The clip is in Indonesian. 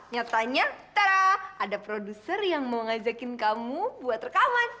nyata nyata ada produser yang mau ngajakin kamu buat rekaman